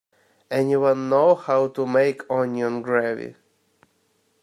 Anyone know how to make onion gravy?